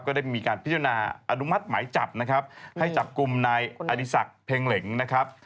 ได้มีการพิจารณาอนุมัติหมายจับนะครับให้จับกลุ่มนายอดีศักดิ์เพ็งเหล็งนะครับ